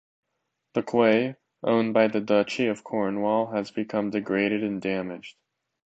The quay, owned by the Duchy of Cornwall, has become degraded and damaged.